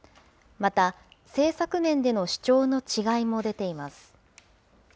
また、政策面での主張の違いも出ています。